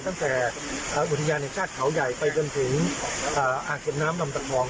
ตั้งแต่อุทยานแห่งชาติเขาใหญ่ไปจนถึงอ่างเก็บน้ำลำตะคอง